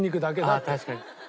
ああ確かに。